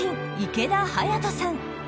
池田隼人さん。